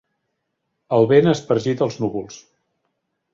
El vent ha espargit els núvols.